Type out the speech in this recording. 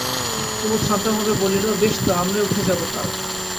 কুমুদ শান্তভাবে বলিল, বেশ তো, আমরাই উঠে যাব কাল।